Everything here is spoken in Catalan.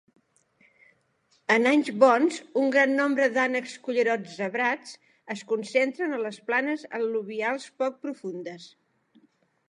En anys bons, un gran nombre d'ànecs cullerot zebrats es concentren a les planes al·luvials poc profundes.